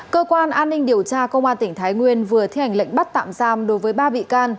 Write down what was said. cơ quan an ninh điều tra công an tỉnh thái nguyên vừa thi hành lệnh bắt tạm giam đối với ba bị can